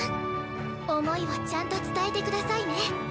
想いをちゃんと伝えて下さいね。